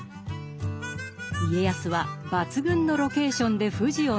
家康は抜群のロケーションで富士を見せた。